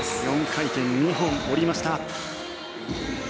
４回転２本降りました。